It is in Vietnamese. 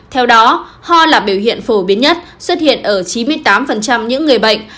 theo đó ho là biểu hiện phổ biến nhất xuất hiện ở chín mươi tám những người bệnh